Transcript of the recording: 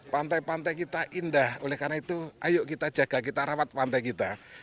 pantai pantai kita indah oleh karena itu ayo kita jaga kita rawat pantai kita